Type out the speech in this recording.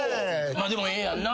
でもええやんな？